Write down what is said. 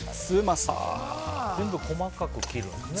全部細かく切るんですね。